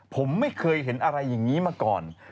ผมไม่เคยเห็นอะไรอย่างนี้มาก่อน